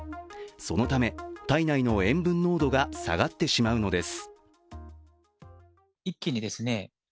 そのため体内の塩分濃度が下がってしまうのです。